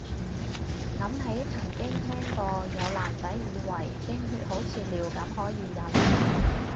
諗起曾經聽過有男仔以為經血好似尿咁可以忍